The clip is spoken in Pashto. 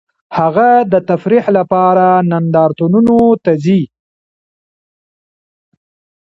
هغه د تفریح لپاره نندارتونونو ته ځي